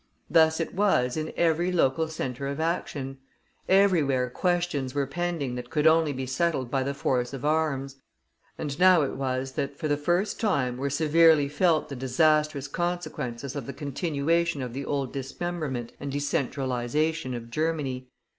Thus it was in every local center of action. Everywhere questions were pending that could only be settled by the force of arms; and now it was that for the first time were severely felt the disastrous consequences of the continuation of the old dismemberment and decentralization of Germany.